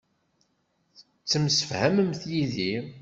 Ttemsefhament yid-i.